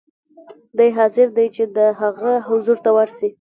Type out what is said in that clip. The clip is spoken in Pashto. دی حاضر دی چې د هغه حضور ته ورسي.